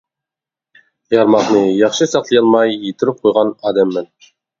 يارماقنى ياخشى ساقلىيالماي يىتتۈرۈپ قويغان ئادەم مەن.